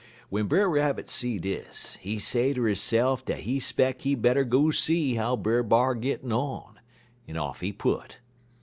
W'en Brer Rabbit see dis, he say ter hisse'f dat he 'speck he better go see how Brer B'ar gittin' on; en off he put.